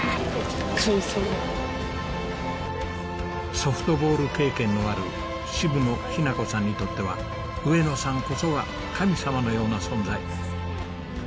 ソフトボール経験のある渋野日向子さんにとっては上野さんこそが神様のような存在。